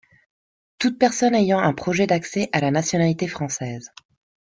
Toute personne ayant un projet d'accès à la nationalité française.